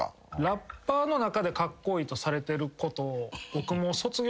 ラッパーの中でカッコイイとされてること。